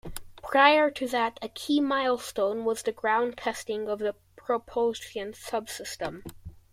Prior to that, a key milestone was the ground testing of the propulsion subsystem.